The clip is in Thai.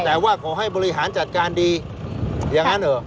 แต่ว่าขอให้บริหารจัดการดีอย่างนั้นเหรอ